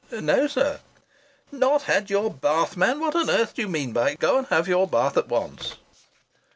"No, sir." "Not had your bath, man! What on earth do you mean by it? Go and have your bath at once!"